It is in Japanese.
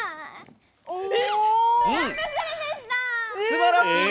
すばらしい！